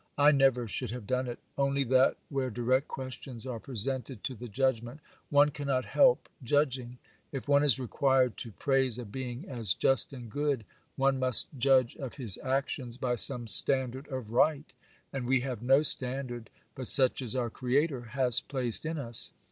I never should have done it, only that, where direct questions are presented to the judgment, one cannot help judging. If one is required to praise a being as just and good, one must judge of his actions by some standard of right,—and we have no standard but such as our Creator has placed in us.